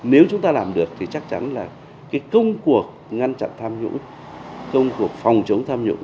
nếu chúng ta làm được thì chắc chắn là cái công cuộc ngăn chặn tham nhũng công cuộc phòng chống tham nhũng